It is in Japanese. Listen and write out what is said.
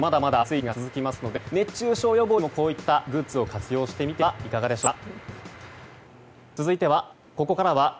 本当にまだまだ暑い日が続きますので熱中症予防にもこういったグッズを活用してみてはいかがでしょうか。